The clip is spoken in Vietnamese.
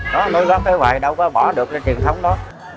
nó nối góp tới hoài đâu có bỏ được cái truyền thống đó